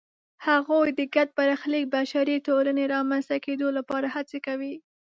هغوی د ګډ برخلیک بشري ټولنې رامنځته کېدو لپاره هڅې کوي.